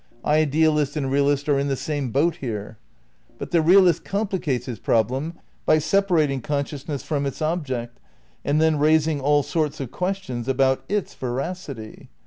Idealist and realist are in the same boat here. But the realist complicates his problem by separating consciousness from its object and then raising air sorts of questions about its veracity.